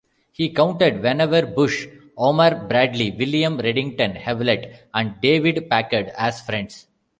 He counted Vannevar Bush, Omar Bradley, William Redington Hewlett and David Packard as friends.